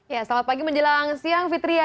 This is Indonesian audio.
ya selamat pagi menjelang siang fitria